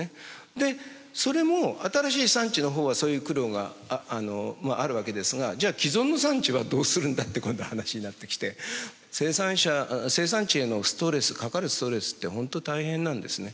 でそれも新しい産地の方はそういう苦労があるわけですがじゃあ既存の産地はどうするんだって今度話になってきて生産地へのストレスかかるストレスって本当大変なんですね。